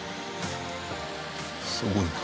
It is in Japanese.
すごいな。